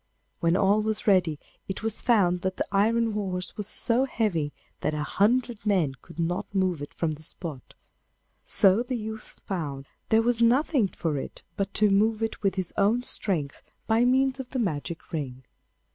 When all was ready, it was found that the iron horse was so heavy that a hundred men could not move it from the spot, so the youth found there was nothing for it but to move it with his own strength by means of the magic ring.